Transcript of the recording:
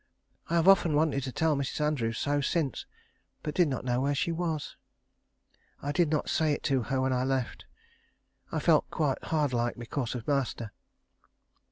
I have often wanted to tell Mrs. Andrews so since, but did not know where she was. I did not say it to her when I left. I felt quite hard like, because of master.